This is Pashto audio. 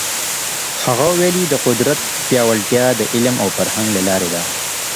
هغه ویلي، د قدرت پیاوړتیا د علم او فرهنګ له لاري ده.